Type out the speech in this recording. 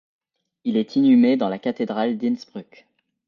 Il est inhumé dans la cathédrale d'Innsbruck.